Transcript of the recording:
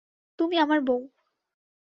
তুমি আমার বউ।